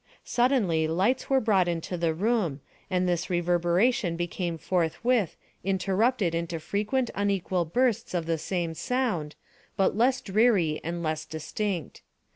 Suddenly lights were brought into the room, and this reverberation became forthwith interrupted into frequent unequal bursts of the same sound, but less dreary and less distinct.